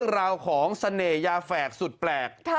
นี้คือราวของเสนยฟากสุดแปลก